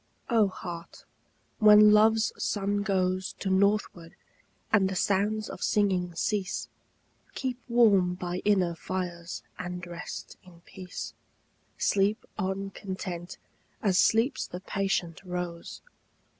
O Heart, when Love's sun goes To northward, and the sounds of singing cease, Keep warm by inner fires, and rest in peace. Sleep on content, as sleeps the patient rose.